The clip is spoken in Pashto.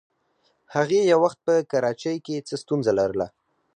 هغې یو وخت په کراچۍ کې څه ستونزه لرله.